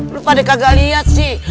lu pada kagak lihat sih